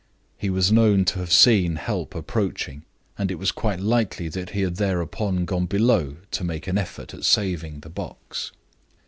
He was known to have seen help approaching, and it was quite likely that he had thereupon gone below to make an effort at saving the box.